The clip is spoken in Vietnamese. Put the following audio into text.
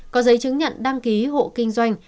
có giấy chứng nhận đăng ký hộ kinh doanh